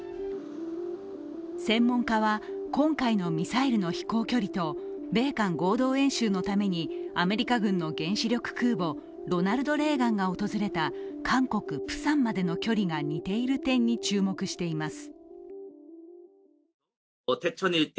専門家は今回のミサイルの飛行距離と米韓合同軍事演習のためにアメリカ軍の原子力空母「ロナルド・レーガン」が訪れた韓国プサンまでの距離が似ている点に注目しています。